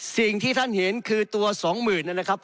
สิ่งที่ท่านเห็นคือตัว๒๐๐๐นะครับ